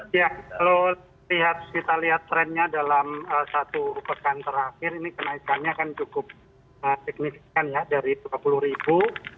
ya kalau kita lihat trennya dalam satu pekan terakhir ini kenaikannya kan cukup signifikan ya dari tiga puluh ribu